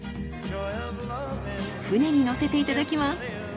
船に乗せていただきます。